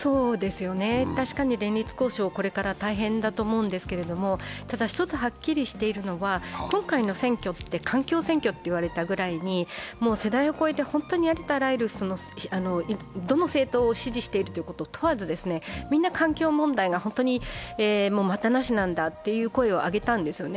確かに連立交渉、これから大変だと思うんですけれども、ただ、１つはっきりしているのは、今回の選挙って環境選挙と言われたぐらいに、世代を越えて本当にありとあらゆる、どの政党を支持しているかを問わず、みんな環境問題が本当に待ったなしなんだという声を上げたんですよね。